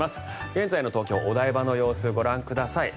現在の東京・お台場の様子ご覧ください。